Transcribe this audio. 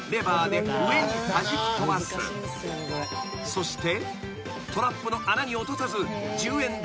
［そして］